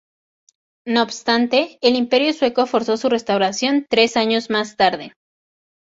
No obstante, el Imperio sueco forzó su restauración tres años más tarde.